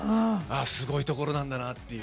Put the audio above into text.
すごいところなんだなっていう。